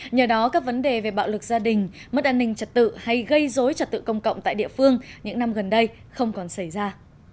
nhờ đó các vấn đề về bạo lực gia đình mất an ninh trật tự hay gây dối trật tự công cộng tại địa phương những năm gần đây không còn xảy ra